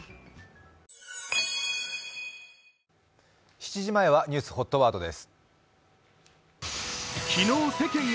７時前はニュースＨＯＴワードです。